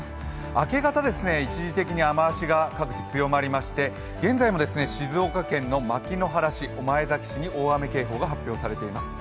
明け方、一時的に雨足が各地強まりまして、現在も静岡県の牧之原市、御前崎市に大雨警報が発表されています。